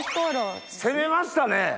攻めましたね！